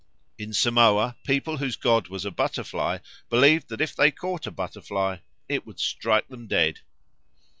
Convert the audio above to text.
In Samoa people whose god was a butterfly believed that if they caught a butterfly it would strike them dead.